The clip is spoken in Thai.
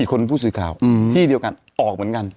คนผู้สื่อข่าวที่เดียวกันออกเหมือนกัน